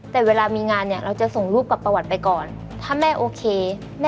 แต่เวลามีงานเนี่ยเราจะส่งรูปกับประวัติไปก่อน